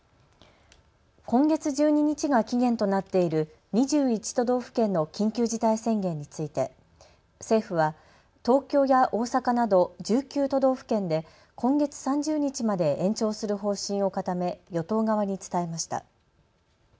今月１２日が期限となっている２１都道府県の緊急事態宣言について政府は東京や大阪など１９都道府県で今月３０日まで延長する方針を固め与党側に伝えました。